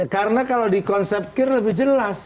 karena kalau di konsep kir lebih jelas